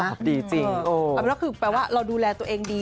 อันนี้ก็คือแปลว่าเราดูแลตัวเองดี